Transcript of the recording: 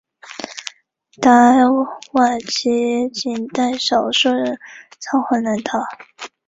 达瓦齐仅带少数人仓皇南逃。